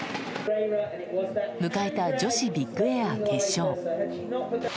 迎えた女子ビッグエア決勝。